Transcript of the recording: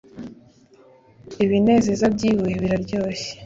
ibinezeza byibwe biraryoshye.